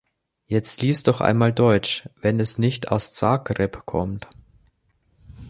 Jetzt lies doch einmal Deutsch, wenn es nicht aus Zagreb kommt!